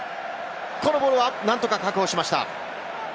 このボールは何とか確保しました。